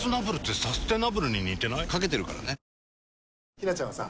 ひなちゃんはさ